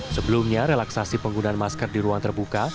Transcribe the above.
sebelumnya relaksasi penggunaan masker di ruang terbuka